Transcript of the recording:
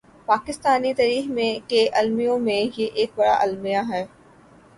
پاکستانی تاریخ کے المیوں میں یہ ایک بڑا المیہ ہے۔